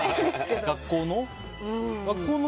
学校の？